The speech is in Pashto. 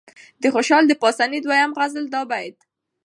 د خوشال د پاسني دويم غزل دا بيت